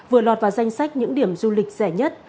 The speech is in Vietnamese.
vừa lọt vào danh sách những điểm du lịch rẻ nhất